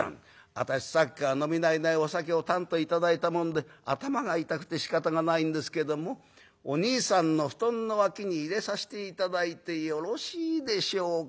「『私さっきから飲み慣れないお酒をたんと頂いたもんで頭が痛くてしかたがないんですけどもおにいさんの布団の脇に入れさせて頂いてよろしいでしょうか？』